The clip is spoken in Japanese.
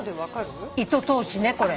糸通しねこれ。